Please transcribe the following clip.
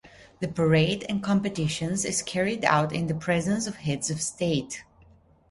The parade and competitions is carried out in the presence of heads of state.